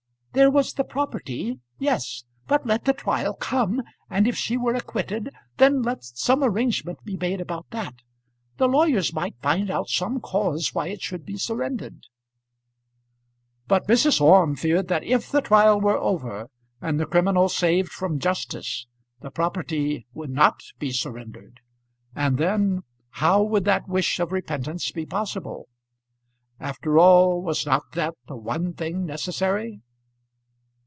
"There was the property! Yes; but let the trial come, and if she were acquitted, then let some arrangement be made about that. The lawyers might find out some cause why it should be surrendered." But Mrs. Orme feared that if the trial were over, and the criminal saved from justice, the property would not be surrendered. And then how would that wish of repentance be possible? After all was not that the one thing necessary?